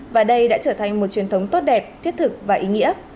và đây đã trở thành một truyền thống tốt đẹp thiết thực và ý nghĩa